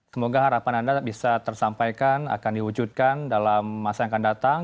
semoga harapan anda bisa tersampaikan akan diwujudkan dalam masa yang akan datang